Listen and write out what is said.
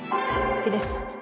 次です。